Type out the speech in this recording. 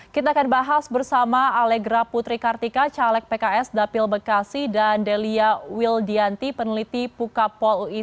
kita akan bahas bersama alegra putri kartika caleg pks dapil bekasi dan delia wildianti peneliti pukapol ui